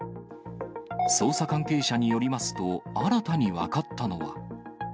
捜査関係者によりますと、新たに分かったのは。